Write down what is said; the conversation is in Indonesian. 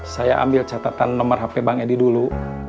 saya ambil catatan nomor hp bang edi dulu